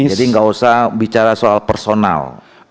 jadi tidak usah bicara soal personal